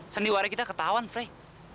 sendiwara kita ketahuan frey